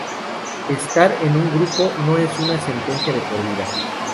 Estar en un grupo no es una sentencia de por vida.